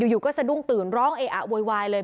อยู่ก็สะดุ้งตื่นร้องเออะโวยวายเลย